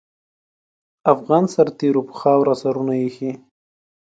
افغان سرتېرو پر خاوره سرونه اېښي دي.